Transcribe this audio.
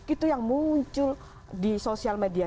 itu yang muncul di sosial media